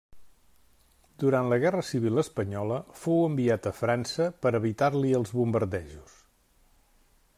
Durant la guerra civil espanyola fou enviat a França per evitar-li els bombardejos.